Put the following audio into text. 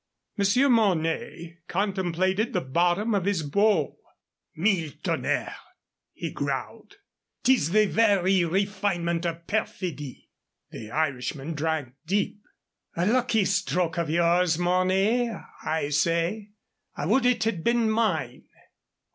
Monsieur Mornay contemplated the bottom of his bowl. "Mille tonnerres!" he growled. "'Tis the very refinement of perfidy." The Irishman drank deep. "A lucky stroke of yours, Mornay, I say. I would it had been mine."